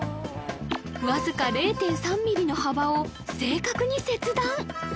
わずか０．３ミリの幅を正確に切断！